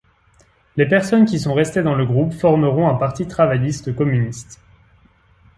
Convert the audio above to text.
Les personnes qui sont restées dans le groupe formeront un parti travailliste communiste.